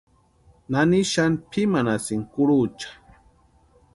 ¿Nani xani pʼimanhasïnki kurucha?